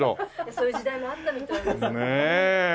そういう時代もあったみたいです。